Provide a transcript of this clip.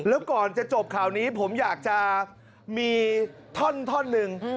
แล้วก่อนจะจบข่าวนี้ผมอยากจะมีท่อนหนึ่ง